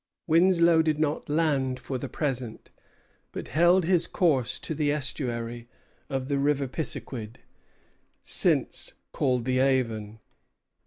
Winslow did not land for the present, but held his course to the estuary of the River Pisiquid, since called the Avon.